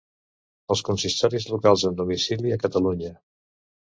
Els consorcis locals amb domicili a Catalunya.